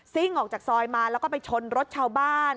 ่งออกจากซอยมาแล้วก็ไปชนรถชาวบ้าน